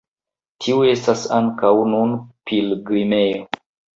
Tiu estas ankaŭ nun pilgrimejo.